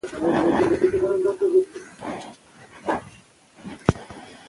هغه د بند پر بند شکنجه وزغمله.